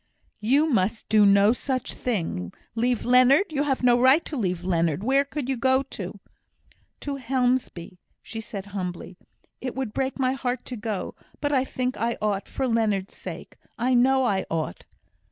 "You must do no such thing. Leave Leonard! You have no right to leave Leonard. Where could you go to?" "To Helmsby," she said, humbly. "It would break my heart to go, but I think I ought, for Leonard's sake. I know I ought."